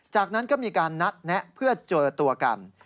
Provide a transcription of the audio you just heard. จากนั้นก็มีการนัดแนะเพื่อเจอตัวกัน